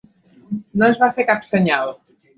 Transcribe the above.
No es va fer cap senyal.